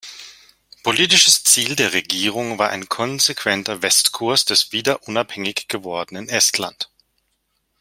Politisches Ziel der Regierung war ein konsequenter Westkurs des wieder unabhängig gewordenen Estland.